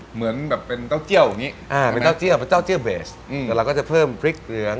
เหมือนแบบเป็นเต้าเจ้าอย่างนี้เป็นเต้าเจ้าเบสแล้วเราก็จะเพิ่มพริกเหลือง